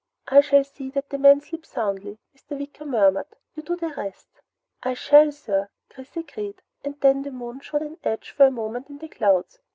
"I shall see that the men sleep soundly," Mr. Wicker murmured. "You do the rest." "I shall, sir!" Chris agreed, and then the moon showed an edge for a moment in the clouds.